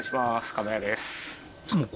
亀谷です。